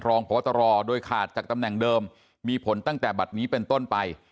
พวตรโดยขาดจากตำแหน่งเดิมมีผลตั้งแต่บัตรนี้เป็นต้นไป